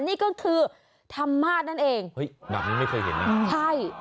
นี่ก็คือธรรมาสนั่นเองเฮ้ยแบบนี้ไม่เคยเห็นนะใช่